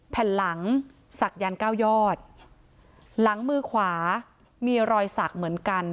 แผ่นหลังศักยันต์เก้ายอดหลังมือขวามีรอยสักเหมือนกัน